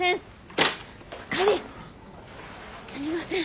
すみません。